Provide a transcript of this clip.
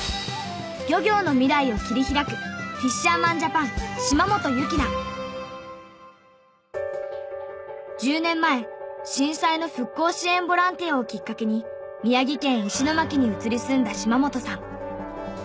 漁業の未来を切り開く１０年前震災の復興支援ボランティアをきっかけに宮城県石巻に移り住んだ島本さん。